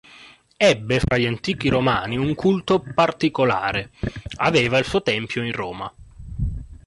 Ebbe fra gli antichi romani un culto particolare: aveva il suo tempio in Roma.